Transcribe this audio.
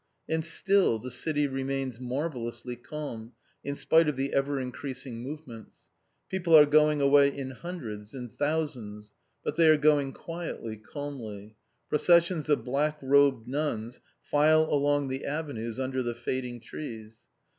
And still the city remains marvellously calm, in spite of the ever increasing movements. People are going away in hundreds, in thousands. But they are going quietly, calmly. Processions of black robed nuns file along the avenues under the fading trees.